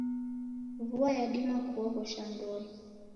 Vua yadima kuoghosha ndoe.